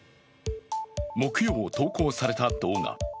木曜、投稿された動画。